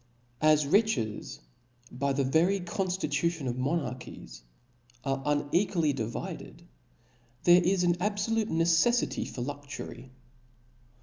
As riches, by the very conftitution of monar chies, are unequally divided, there is an abfolute neceflity for luxury.